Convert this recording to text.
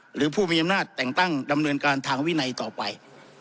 หรือผู้มีอำนาจแต่งตั้งดำเนินการทางวินัยต่อไป